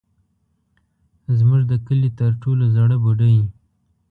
زموږ د کلي تر ټولو زړه بوډۍ.